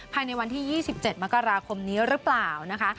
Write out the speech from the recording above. ภายในวันที่๒๗มกราคมนี้หรือเปล่านะคะ